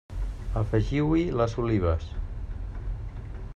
Afegiu-hi les olives.